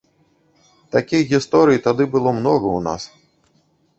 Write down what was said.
Такіх гісторый тады было многа ў нас.